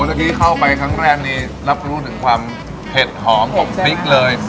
เมื่อกี้เข้าไปครั้งแรกนี่รับรู้ถึงความเผ็ดหอมของพริกเลย